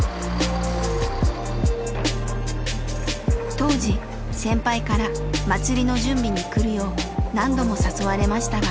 当時先輩から祭りの準備に来るよう何度も誘われましたが。